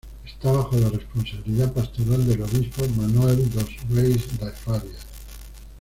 Esta bajo la responsabilidad pastoral del obispo Manoel dos Reis de Farias.